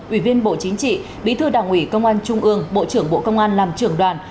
ủy viên bộ chính trị bí thư đảng ủy công an trung ương bộ trưởng bộ công an làm trưởng đoàn